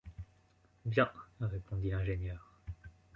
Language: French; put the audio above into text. Bien, répondit l’ingénieur